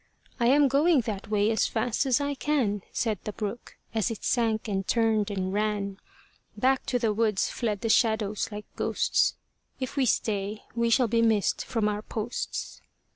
"I am going that way as fast as I can," Said the brook, as it sank and turned and ran. Back to the woods fled the shadows like ghosts: "If we stay, we shall all be missed from our posts."